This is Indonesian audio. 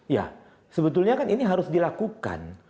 ya sebetulnya kan ini harus dilakukan